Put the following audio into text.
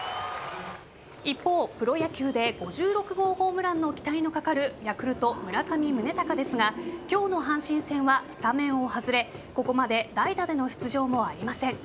一方、プロ野球で５６号ホームランの期待のかかるヤクルト・村上宗隆ですが今日の阪神戦はスタメンを外れここまで代打での出場もありません。